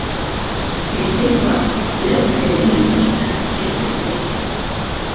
Periferikoak lau kategoria nagusitan sailka daitezke.